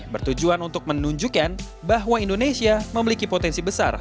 bertujuan untuk menunjukkan bahwa indonesia memiliki potensi besar